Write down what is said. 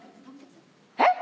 えっ！？